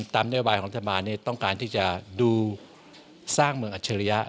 นโยบายของรัฐบาลต้องการที่จะดูสร้างเมืองอัจฉริยะ